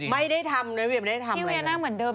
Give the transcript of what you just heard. ไม่ได้ทำพี่เวียไม่ได้ทำอะไรเลย